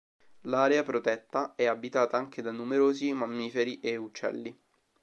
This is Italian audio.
L'area protetta è abitata anche da numerosi mammiferi e uccelli.